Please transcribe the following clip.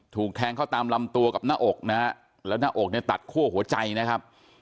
ถูกแทงเข้าตามลำตัวกับหน้าอกนะฮะแล้วหน้าอกเนี่ยตัดคั่วหัวใจนะครับ